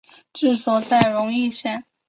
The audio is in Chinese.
治所在荣懿县。